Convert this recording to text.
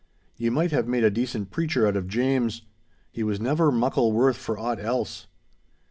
Ye might have made a decent preacher out of James. He was never muckle worth for aught else.